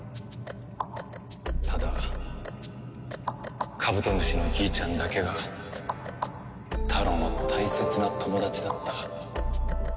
ただカブトムシのギイちゃんだけがタロウの大切な友達だった。